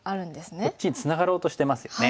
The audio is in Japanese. こっちにツナがろうとしてますよね。